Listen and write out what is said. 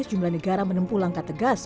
sejumlah negara menempuh langkah tegas